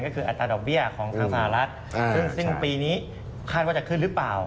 ก็คืออัตราดอกเบี้ยของทางสหรัฐซึ่งปีนี้คาดว่าจะขึ้นหรือเปล่า